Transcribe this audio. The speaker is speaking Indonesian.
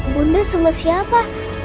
bunda sama siapa